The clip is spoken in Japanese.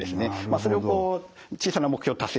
それを小さな目標達成